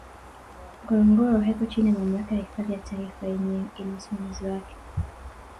ngorongoro haiko chini ya mamlaka ya hifadhi za taifa yenyewe ina usimamizi wake